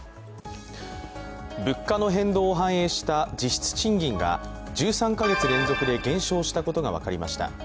物価の変動を反映した実質賃金が１３か月連続で減少したことが分かりました。